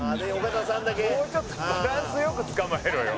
「もうちょっとバランス良く捕まえろよ」